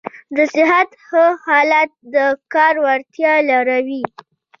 د صحت ښه حالت د کار وړتیا لوړوي.